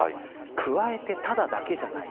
加えて、ただだけじゃない。